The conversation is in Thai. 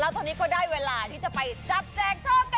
เราตอนนี้ก็ได้เวลาไปทรัพย์แจกโชคกันแล้ว